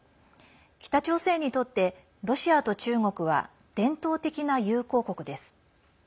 北朝鮮にとってロシアと中国は伝統的な友好国です。